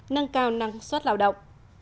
nâng cao năng suất lào động